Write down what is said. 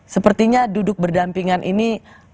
sepertinya duduk berdampingan ini